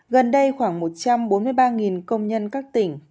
gần đây khoảng một trăm bốn mươi ba công nhân các tỉnh